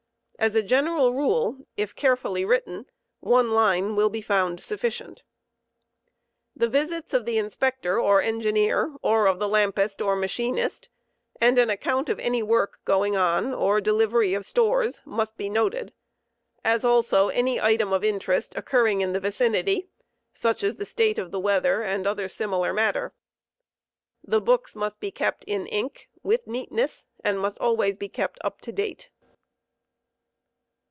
As a general rule, if carefully written, one line will be found sufficient. The visits of the Inspector or Engineer, or of the lampist or. machinist, and an account of any work going on or delivery of stores, must be noted; as also any item of interest occurring in the vicinity, such as the state of the weather, or other similar matter. The books must be kept in ink, with neatness, and must always be kept up to date.